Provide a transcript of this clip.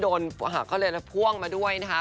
ก็เลยพ่วงมาด้วยนะคะ